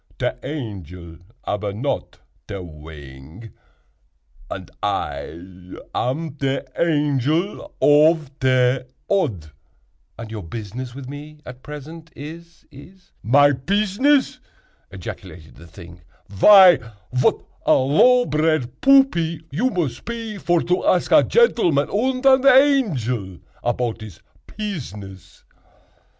Te angel ab not te wing, and I am te Angel ov te Odd." "And your business with me at present is—is—" "My pizzness!" ejaculated the thing, "vy vat a low bred buppy you mos pe vor to ask a gentleman und an angel apout his pizziness!"